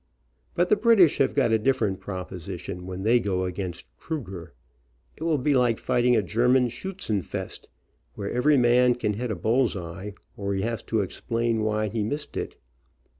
But the British have got a dif f e r e n t proposition when they go against Kruger. It will be like fighting a German schuetzenfest, where every man can hit a bulls eye, or he has to explain why he missed it.